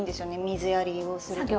水やりをする時。